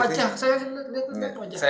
wajah saya lihat wajahnya